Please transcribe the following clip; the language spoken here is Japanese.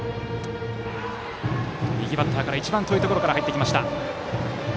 右バッターから１番というところから入っていきました。